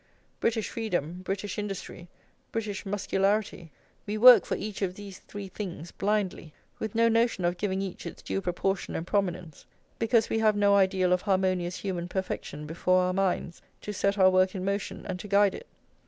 British freedom, British industry, British muscularity, we work for each of these three things blindly, with no notion of giving each its due proportion and prominence, because we have no ideal of harmonious human perfection before our minds, to set our work in motion, and to guide it.